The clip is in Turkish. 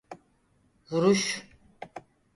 Vuruş!